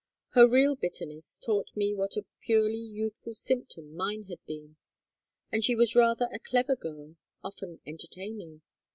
Her real bitterness taught me what a purely youthful symptom mine had been, and she was rather a clever girl, often entertaining.